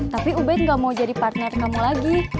tapi ubed gak mau jadi partner kamu lagi